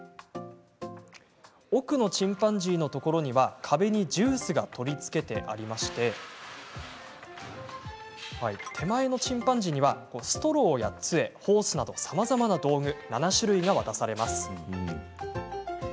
奥のチンパンジーのところには壁にジュースが取り付けてあり手前のチンパンジーにはストローやつえ、ホースなどさまざまな道具７種類が渡されます。